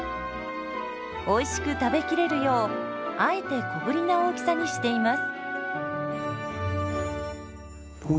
おいしく食べきれるようあえて小ぶりな大きさにしています。